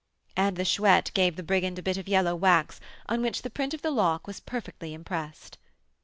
And the Chouette gave the brigand a bit of yellow wax, on which the print of the lock was perfectly impressed.